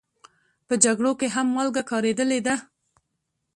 په جګړو کې هم مالګه کارېدلې ده.